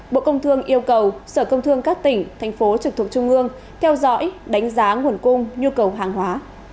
bộ công thương yêu cầu sở công thương các tỉnh thành phố trực thuộc trung ương theo dõi đánh giá nguồn cung nhu cầu hàng hóa